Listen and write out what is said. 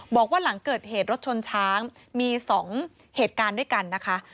บอกว่าหลังเกิดเหตุรถชนช้างมี๒เหตุการณ์ด้วยกันนะคะ